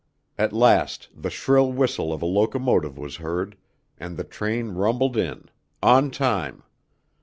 At last the shrill whistle of a locomotive was heard, and the train rumbled in on time.